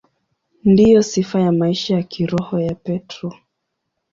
Ndiyo sifa ya maisha ya kiroho ya Petro.